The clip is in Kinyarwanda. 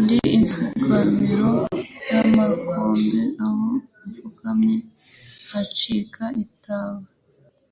Ndi ipfukamiro ry'amakombe Aho mfukamye hacika itaba.